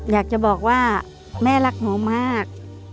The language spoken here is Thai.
อยากจะบอกว่าแม่รักหนูมาก